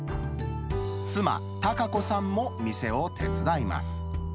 妻、貴子さんも店を手伝います。